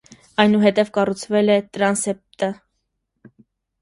Այնուհետև կառուցվել է տրանսեպտը։